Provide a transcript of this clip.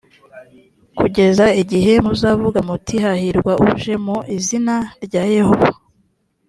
kugeza igihe muzavuga muti hahirwa uje mu izina rya yehova